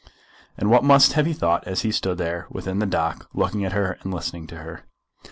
And what must he have thought as he stood there within the dock, looking at her and listening to her?